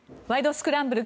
スクランブル」